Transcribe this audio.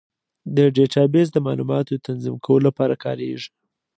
ډیټابیس د معلوماتو تنظیم کولو لپاره کارېږي.